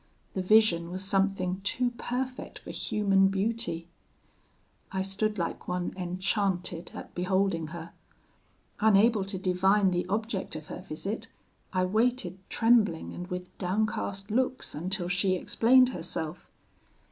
The vision was something too perfect for human beauty. "I stood like one enchanted at beholding her. Unable to divine the object of her visit, I waited trembling and with downcast looks until she explained herself.